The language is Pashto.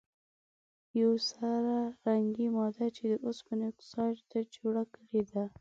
یوه سره رنګې ماده چې د اوسپنې اکسایډ ده جوړه کړي ده.